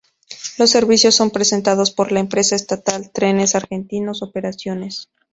Los servicios son prestados por la empresa estatal Trenes Argentinos Operaciones.